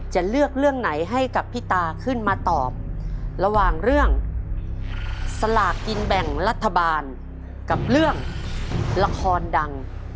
จะเลือกเรื่องไหนให้กับพี่ตาขึ้นมาตอบระหว่างเรื่องสลากกินแบ่งรัฐบาลกับเรื่องละครดัง